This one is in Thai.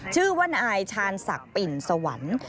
ชื่อว่านายชาญศักดิ์ปิ่นสวรรค์